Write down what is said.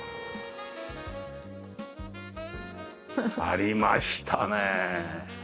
ありましたねえ。